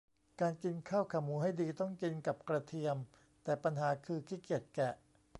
การกินข้าวขาหมูให้ดี ต้องกินกับกระเทียม แต่ปัญหาคือ ขี้เกียจแกะ